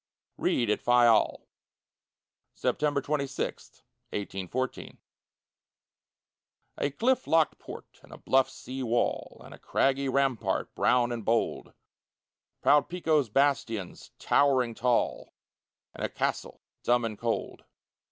REID AT FAYAL [September 26, 1814] A cliff locked port and a bluff sea wall, And a craggy rampart, brown and bold; Proud Pico's bastions towering tall, And a castle dumb and cold.